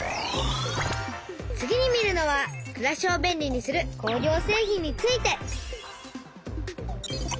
次に見るのはくらしを便利にする工業製品について。